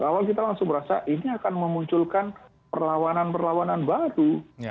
bahwa kita langsung merasa ini akan memunculkan perlawanan perlawanan baru